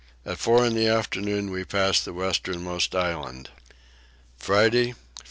At four in the afternoon we passed the westernmost island. Friday 15.